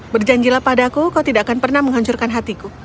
berjanjilah padaku kau tidak akan pernah menghancurkan hatiku